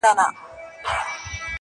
o ساقي در مبارک دي میکدې وي ټولي تاته,